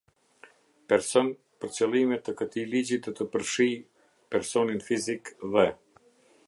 Person - për qëllime të këtij ligji do të përfshijë: Personin fizik, dhe.